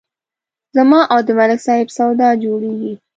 زما او د ملک صاحب سودا جوړېږي